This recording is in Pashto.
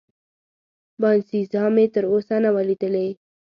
باینسیزا مې تراوسه نه وه لیدلې.